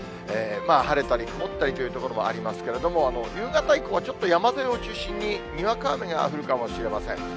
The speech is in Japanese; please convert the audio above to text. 晴れたり曇ったりという所もありますけれども、夕方以降はちょっと、山沿いを中心ににわか雨が降るかもしれません。